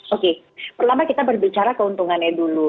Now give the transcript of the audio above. oke pertama kita berbicara keuntungannya dulu